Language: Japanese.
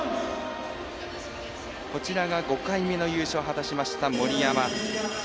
こちらが５回目の優勝を果たしました森山。